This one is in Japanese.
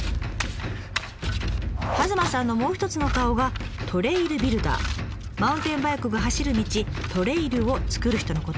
弭間さんのもう一つの顔がマウンテンバイクが走る道「トレイル」を作る人のことをいいます。